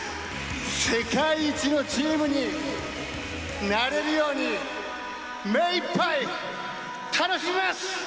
世界一のチームになれるように、目いっぱい楽しみます。